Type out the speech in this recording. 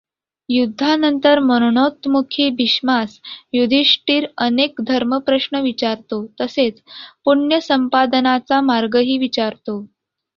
युद्धानंतर मरणोन्मुखी भीष्मास युधिष्ठिर अनेक धर्मप्रश्न विचारतो तसेच पुण्यसंपादनाचा मार्गही विचारतो.